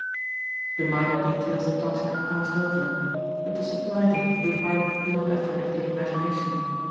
The minor details the Tocsin had passed over but to supply them required but little effort of the imagination.